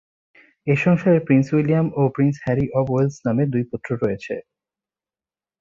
এ সংসারে prince William ও prince Harry of Wales নামে দুই পুত্র রয়েছে।